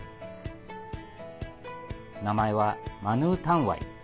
名前はマヌータンワイ。